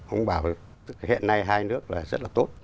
ông bảo hiện nay hai nước là rất là tốt